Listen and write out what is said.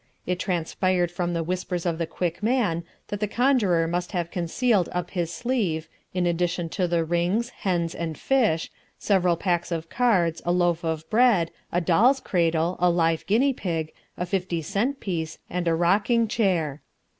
It transpired from the whispers of the Quick Man that the conjurer must have concealed up his sleeve, in addition to the rings, hens, and fish, several packs of cards, a loaf of bread, a doll's cradle, a live guinea pig, a fifty cent piece, and a rocking chair.